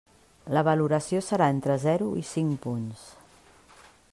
La valoració serà entre zero i cinc punts.